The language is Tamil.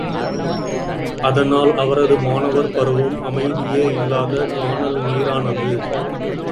அதனால் அவரது மாணவர் பருவம் அமைதியே இல்லாத கானல் நீரானது.